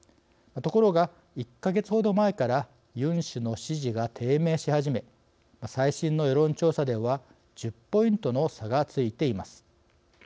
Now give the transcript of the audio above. ところが１か月ほど前からユン氏の支持が低迷し始め最新の世論調査では１０ポイントの差がついています。